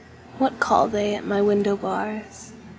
What call they at my window bars?